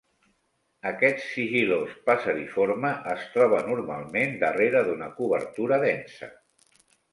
Aquest sigil·lós passeriforme es troba normalment darrere d'una cobertura densa.